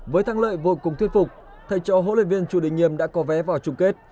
với thắng lợi vô cùng thuyết phục thầy trò huấn luyện viên chu đình nhiệm đã có vé vào chung kết